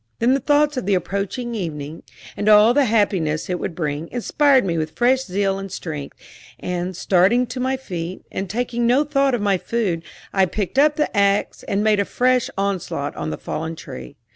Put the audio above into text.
Then the thoughts of the approaching evening, and all the happiness it would bring, inspired me with fresh zeal and strength, and, starting to my feet, and taking no thought of my food, I picked up the ax and made a fresh onslaught on the fallen tree.